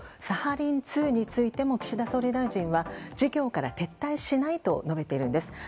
サハリン２についても岸田総理大臣は事業から撤退しないと述べているんです。